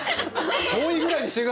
遠いぐらいにして下さい！